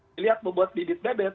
dilihat bebot bibit bebet